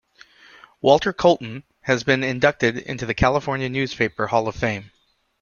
Walter Colton has been inducted into the California Newspaper Hall of Fame.